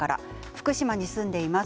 福島に住んでいます。